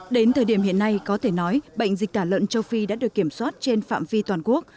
đến thời điểm hiện nay có thể nói bệnh dịch tả lợn châu phi đã được kiểm soát trên phạm vi toàn quốc